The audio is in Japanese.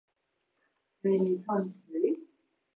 いこーーーーーーぉ